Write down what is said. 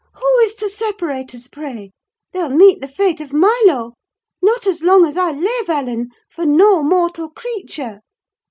"Who is to separate us, pray? They'll meet the fate of Milo! Not as long as I live, Ellen: for no mortal creature.